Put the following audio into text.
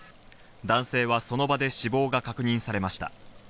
男性はその場で死亡が確認されました。